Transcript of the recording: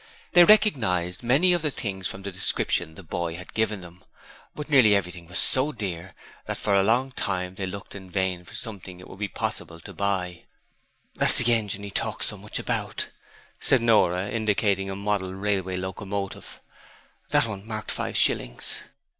They recognized many of the things from the description the boy had given of them, but nearly everything was so dear that for a long time they looked in vain for something it would be possible to buy. 'That's the engine he talks so much about,' said Non, indicating a model railway locomotive; that one marked five shillings.'